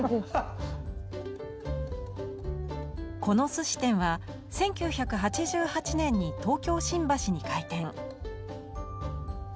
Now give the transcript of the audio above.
この寿司店は１９８８年に東京・新橋に開店。